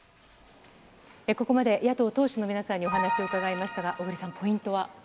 ここまで野党党首の皆さんにお話を伺いましたが、小栗さん、ポイントは？